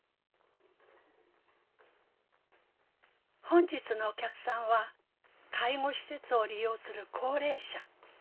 本日のお客さんは介護施設を利用する高齢者。